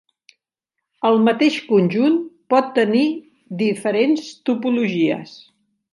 El mateix conjunt pot tenir diferents topologies.